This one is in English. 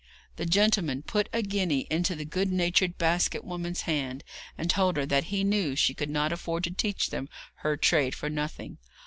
The gentleman put a guinea into the good natured basket woman's hand, and told her that he knew she could not afford to teach them her trade for nothing.